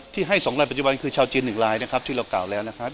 ที่ให้๒ลายปัจจุบันคือชาวจีน๑ลายนะครับที่เรากล่าวแล้วนะครับ